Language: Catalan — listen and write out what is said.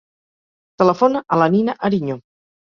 Telefona a la Nina Ariño.